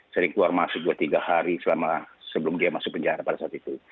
sering keluar masuk dua tiga hari sebelum dia masuk penjara pada saat itu